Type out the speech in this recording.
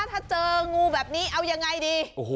ถ้าเจองูแบบนี้เอายังไงดี